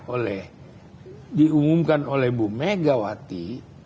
oleh diumumkan oleh bu megawati